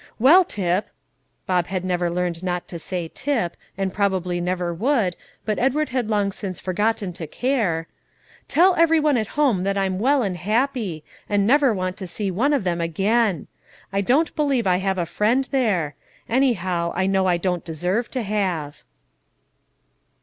"Well, Tip," Bob had never learned not to say Tip, and probably never would, but Edward had long since forgotten to care, "tell every one at home that I'm well and happy, and never want to see one of them again. I don't believe I have a friend there: anyhow, I know I don't deserve to have."